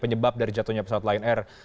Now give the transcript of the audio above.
penyebab dari jatuhnya pesawat lion air